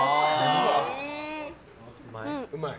うまい？